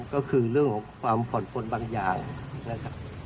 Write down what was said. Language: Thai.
ก็คือเรื่องของความผ่อนปนบางอย่างนะครับ